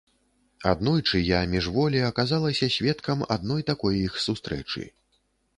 Аднойчы я міжволі аказалася сведкам адной такой іх сустрэчы.